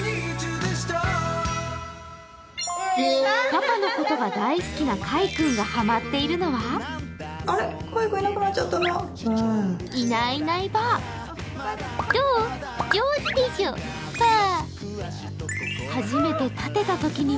パパのことが大好きなかい君がハマっているのはいないいないばあ。